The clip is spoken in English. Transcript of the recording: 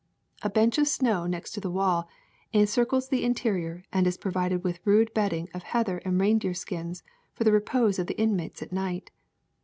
A bench of snow next to the wall encircles the interior and is provided with rude bedding of heather and reindeer skins for the repose of the inmates at night.